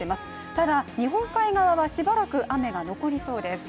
ただ日本海側はしばらく雨が残りそうです。